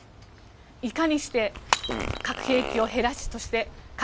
いかにして核兵器を減らし核